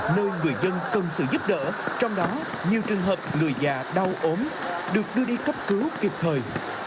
nơi người dân cần sự giúp đỡ trong đó nhiều trường hợp người già đau ốm được đưa đi cấp cứu kịp thời